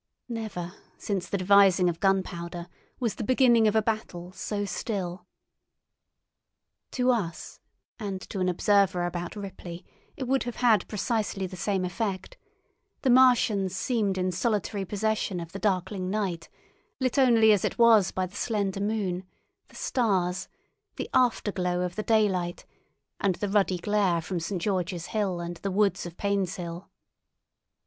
Never since the devising of gunpowder was the beginning of a battle so still. To us and to an observer about Ripley it would have had precisely the same effect—the Martians seemed in solitary possession of the darkling night, lit only as it was by the slender moon, the stars, the afterglow of the daylight, and the ruddy glare from St. George's Hill and the woods of Painshill.